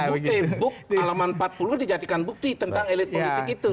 bahkan di buku alaman empat puluh dijadikan bukti tentang elit politik itu